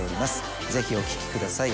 ぜひお聴きください